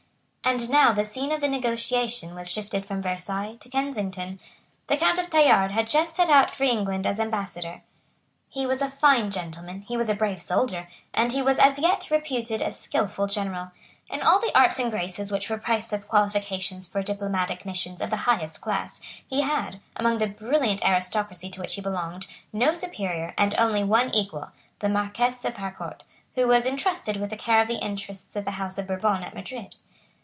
And now the scene of the negotiation was shifted from Versailles to Kensington. The Count of Tallard had just set out for England as Ambassador. He was a fine gentleman; he was a brave soldier; and he was as yet reputed a skilful general. In all the arts and graces which were priced as qualifications for diplomatic missions of the highest class, he had, among the brilliant aristocracy to which he belonged, no superior and only one equal, the Marquess of Harcourt, who was entrusted with the care of the interests of the House of Bourbon at Madrid.